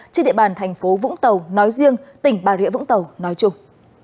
trên địa bàn thành phố vũng tàu nói riêng tỉnh bà rịa vũng tàu nói chung